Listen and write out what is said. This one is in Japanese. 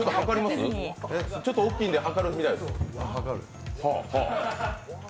ちょっと大きいので測るみたいです。